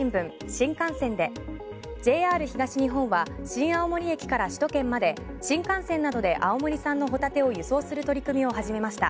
新幹線でＪＲ東日本は新青森駅から首都圏まで新幹線などで青森産のホタテを輸送する取り組みを始めました。